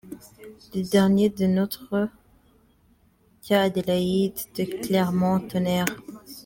Le Dernier des nôtres, cya Adélaïde de Clermont-Tonnerre.